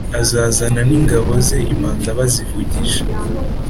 azazana n'ingabo ze, impanda bazivugije,